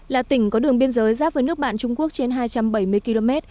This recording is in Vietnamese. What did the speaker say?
là tỉnh có đường biên giới giáp với nước bạn trung quốc trên hai trăm bảy mươi km